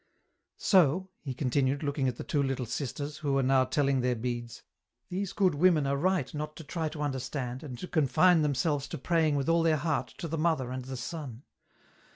" So," he continued, looking at the two Little Sisters, who were now telling their beads, " these good women are right not to try to understand, and to confine themselves to praying with all their heart to the Mother and the Son.